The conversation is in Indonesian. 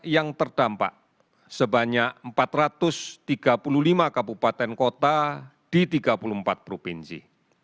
yang terdampak sebanyak empat ratus tiga puluh lima kabupaten kota di tiga puluh empat provinsi